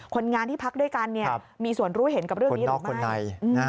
คนงานที่พักด้วยกันมีส่วนรู้เห็นกับเรื่องนี้หรือไม่